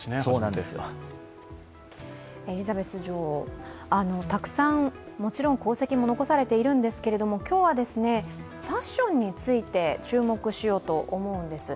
エリザベス女王、たくさん、もちろん功績も残されているんですが今日はファッションについて注目しようと思うんです。